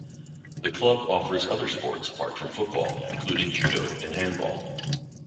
The club offers other sports apart from football, including judo and handball.